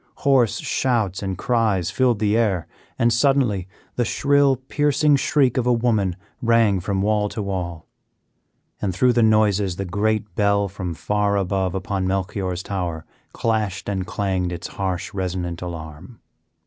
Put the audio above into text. Hoarse shouts and cries filled the air, and suddenly the shrill, piercing shriek of a woman rang from wall to wall; and through the noises the great bell from far above upon Melchior's tower clashed and clanged its harsh, resonant alarm.